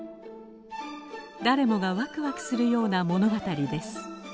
誰もがワクワクするような物語です